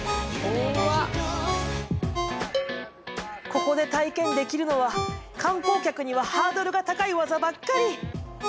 ここで体験できるのは観光客にはハードルが高い技ばっかり。